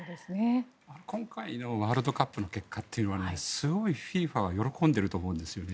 今回のワールドカップの結果というのはすごいＦＩＦＡは喜んでいると思うんですよね。